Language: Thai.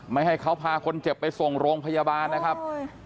ไม่ให้เขาพาคนเจ็บไปส่งโรงพยาบาลนะครับ